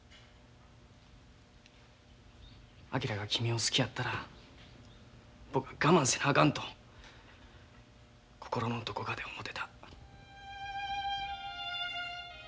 昭が君を好きやったら僕は我慢せなあかんと心のどこかで思てた。